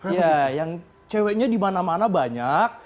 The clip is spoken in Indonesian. iya yang ceweknya dimana mana banyak